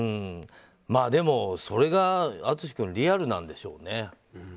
まあでも、それが淳君リアルなんでしょうね。